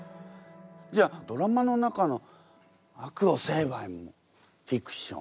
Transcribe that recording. じゃあドラマの中の悪を成敗もフィクション。